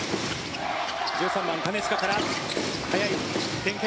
１３番、金近から速い連係。